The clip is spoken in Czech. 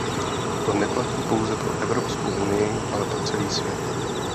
To neplatí pouze pro Evropskou unii, ale pro celý svět.